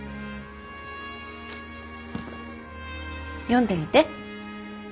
読んでみて。